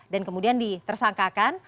dan kemudian ditersangkakan